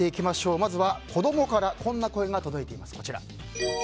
まずは子供からこんな声が届いています。